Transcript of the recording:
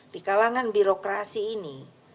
di kalangan birokrasi ini